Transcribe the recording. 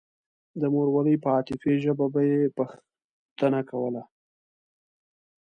د مورولۍ په عاطفي ژبه به يې پوښتنه کوله.